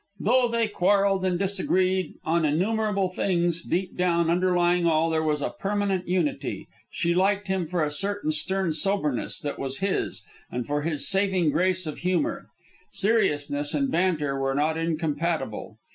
Though they quarrelled and disagreed on innumerable things, deep down, underlying all, there was a permanent unity. She liked him for a certain stern soberness that was his, and for his saving grace of humor. Seriousness and banter were not incompatible.